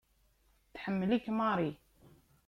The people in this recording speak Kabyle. Tḥemmel-ik Mary.